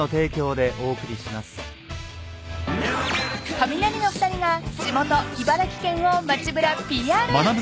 ［カミナリの２人が地元茨城県を街ぶらＰＲ］